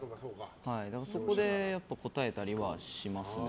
だから、そこで答えたりはしますね。